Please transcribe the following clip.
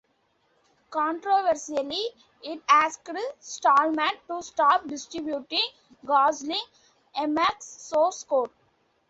Controversially, it asked Stallman to stop distributing Gosling Emacs source code.